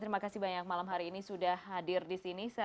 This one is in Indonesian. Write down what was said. terima kasih banyak malam hari ini sudah hadir di sini